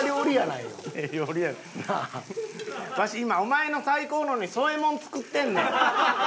わし今お前の最高のに添えもん作ってんねん。